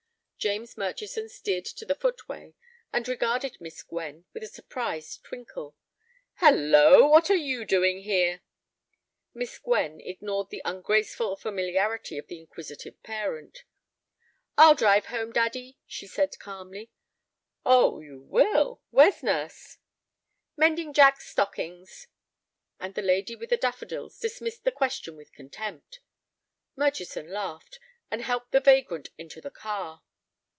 James Murchison steered to the footway, and regarded Miss Gwen with a surprised twinkle. "Hallo, what are you doing here?" Miss Gwen ignored the ungraceful familiarity of the inquisitive parent. "I'll drive home, daddy," she said, calmly. "Oh—you will! Where's nurse?" "Mending Jack's stockings." And the lady with the daffodils dismissed the question with contempt. Murchison laughed, and helped the vagrant into the car.